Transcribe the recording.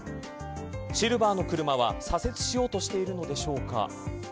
シルバーの車は左折しようとしているのでしょうか。